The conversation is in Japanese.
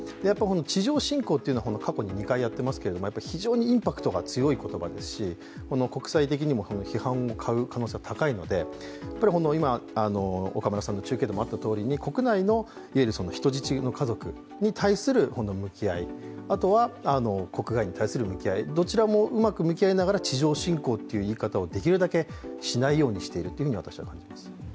地上侵攻というのは過去に２回やっていますけれども、非常にインパクトが強い言葉ですし、国際的にも批判を買う可能性は高いので、国内のいわゆる人質の家族に対する向き合い、あとは国外に対する向き合い、どちらもうまく向き合いながら地上侵攻という言い方をできるだけしないようにしていると私は感じます。